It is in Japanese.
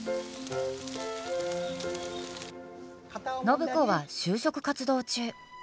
暢子は就職活動中。